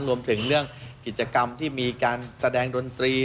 รวมถึงเรื่องกิจกรรมที่มีการแสดงดนตรี